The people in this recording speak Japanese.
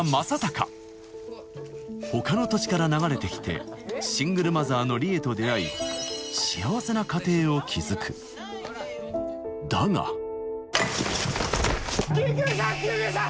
他の土地から流れてきてシングルマザーの里枝と出会い幸せな家庭を築くだが救急車救急車！